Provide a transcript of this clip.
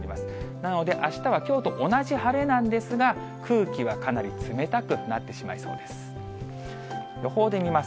なのであしたはきょうと同じ晴れなんですが、空気はかなり冷たくなってしまいそうです。